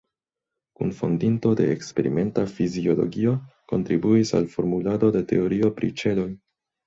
Kunfondinto de eksperimenta fiziologio, kontribuis al formulado de teorio pri ĉeloj.